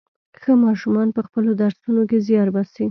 ښه ماشومان په خپلو درسونو کې زيار باسي.